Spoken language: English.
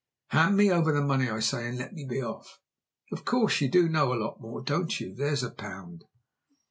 "Hand me over the money, I say, and let me be off!" "Of course you do know a lot more, don't you? There's a pound!"